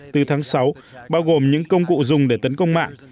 từ tháng sáu bao gồm những công cụ dùng để tấn công mạng